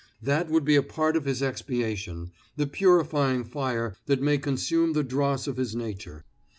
That would be a part of his expiation, the purifying fire that may consume the dross of his nature.